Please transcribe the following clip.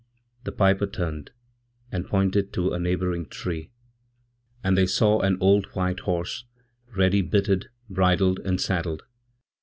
The piper turned, and pointed toa neighbouring tree, and they saw an old white horse ready bitted, bridled, and saddled.